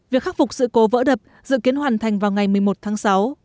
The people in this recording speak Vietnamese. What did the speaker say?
việc khắc phục sự cố vỡ đập dự kiến hoàn thành vào ngày một mươi một tháng sáu